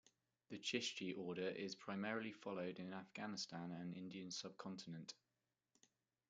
The Chishti Order is primarily followed in Afghanistan and Indian subcontinent.